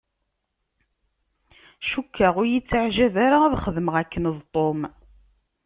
Cukkeɣ ur y-ittiεǧib ara ad xedmeɣ akken d Tom.